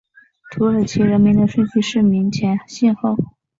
土耳其人名的顺序是名前姓后。